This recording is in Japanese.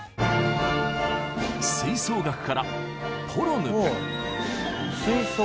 吹奏楽から「ポロヌプ」。